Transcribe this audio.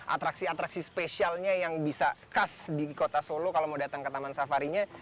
atraksi atraksi spesialnya yang bisa khas di kota solo kalau mau datang ke taman safarinya